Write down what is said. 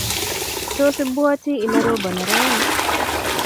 Tos ibwati ile roboni raini?